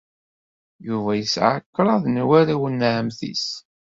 Yuba yesɛa kraḍ n warraw n ɛemmti-s.